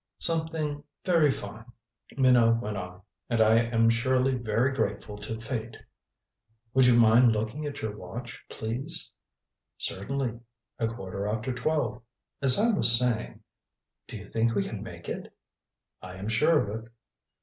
"Something very fine," Minot went on. "And I am surely very grateful to fate " "Would you mind looking at your watch please?" "Certainly. A quarter after twelve. As I was saying " "Do you think we can make it?" "I am sure of it."